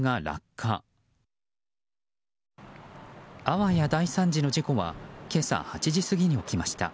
あわや大惨事の事故は今朝８時過ぎに起きました。